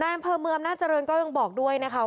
นางอำเภอเมืองนาจริงก็ยังบอกด้วยว่า